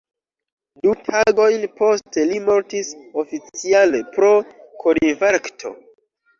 Du tagojn poste li mortis, oficiale pro korinfarkto.